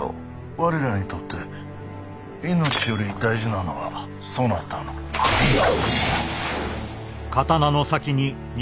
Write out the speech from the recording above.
我らにとって命より大事なのはそなたの首よ。